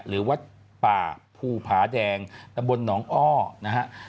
หรือวัดป่าภูผาแดงตำบลหนองอ้อนะฮะ